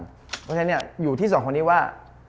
เพราะฉะนั้นเนี่ยอยู่ที่๒คนนี้ว่า